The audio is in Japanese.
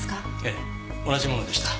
ええ同じものでした。